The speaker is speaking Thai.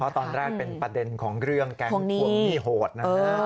ตอนแรกเป็นประเด็นของเรื่องแก๊งทวงหนี้โหดนะฮะ